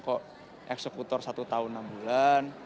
kok eksekutor satu tahun enam bulan